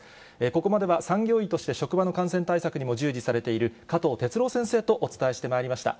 ここまでは産業医として職場の感染対策にも従事されている、加藤哲朗先生とお伝えしてまいりました。